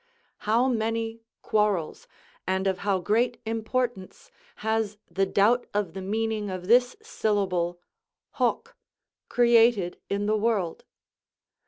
How many quarrels, and of how great importance, has the doubt of the meaning of this syllable, hoc,* created in the world?